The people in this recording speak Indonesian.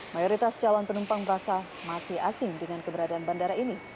mayoritas calon penumpang merasa masih asing dengan keberadaan bandara ini